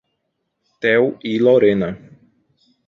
Theo e Lorena